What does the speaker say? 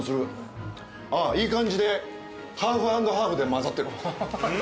いい感じでハーフ＆ハーフで混ざってる。